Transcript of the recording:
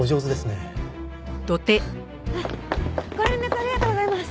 ご連絡ありがとうございます。